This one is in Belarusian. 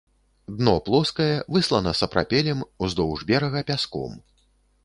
Дно плоскае, выслана сапрапелем, уздоўж берага пяском.